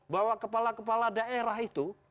bahwa kepala kepala daerah itu